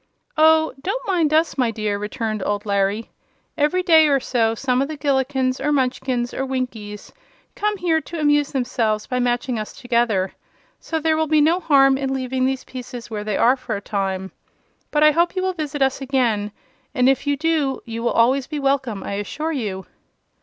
"Oh, don't mind us, my dear," returned old Larry. "Every day or so some of the Gillikins, or Munchkins, or Winkies come here to amuse themselves by matching us together, so there will be no harm in leaving these pieces where they are for a time. But I hope you will visit us again, and if you do you will always be welcome, I assure you."